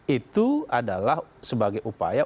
itu adalah sebagai upaya